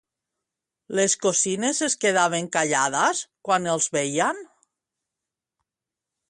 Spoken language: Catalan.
Les cosines es quedaven callades quan els veien?